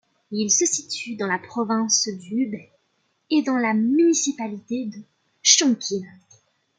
Il se situe dans la province du Hubei et dans la municipalité de Chongqing.